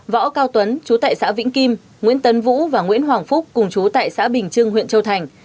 võ cao tuấn chú tại xã vĩnh kim nguyễn tấn vũ và nguyễn hoàng phúc cùng chú tại xã bình trưng huyện châu thành